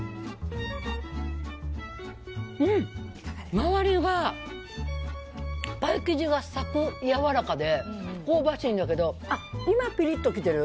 周りはパイ生地がサクッやわらかで香ばしいんやけど今、ピリッと来てる。